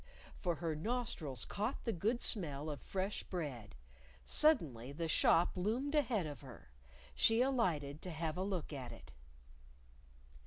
For her nostrils caught the good smell of fresh bread. Suddenly the shop loomed ahead of her. She alighted to have a look at it.